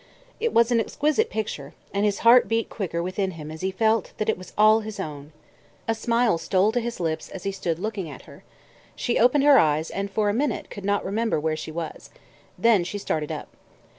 It was an exquisite picture, and his heart beat quicker within him as he felt that it was all his own. A smile stole to his lips as he stood looking at her. She opened her eyes, and for a minute could not remember where she was. Then she started up.